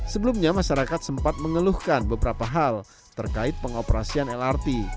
sebelumnya masyarakat sempat mengeluhkan beberapa hal terkait pengoperasian lrt